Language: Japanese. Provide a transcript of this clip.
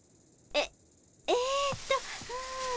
えっえっと。